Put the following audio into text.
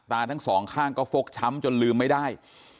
ตาทั้งสองข้างก็ฟกช้ำจนลืมไม่ได้